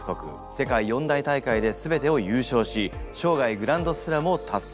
世界４大大会ですべてを優勝し生涯グランドスラムを達成。